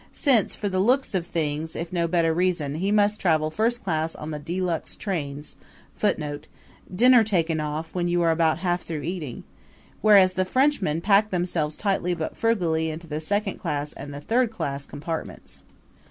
] since, for the looks of things if for no better reason, he must travel first class on the de luxe trains [Footnote: Diner taken off when you are about half through eating.], whereas the Frenchmen pack themselves tightly but frugally into the second class and the third class compartments.